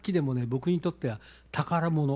僕にとっては宝物。